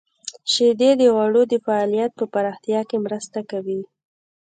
• شیدې د غړو د فعالیت په پراختیا کې مرسته کوي.